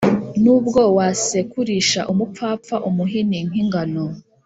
nubwo wasekurisha umupfapfa umuhini nk’ingano